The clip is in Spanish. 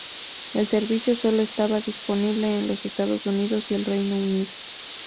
El servicio sólo estaba disponible en los Estados Unidos y el Reino Unido.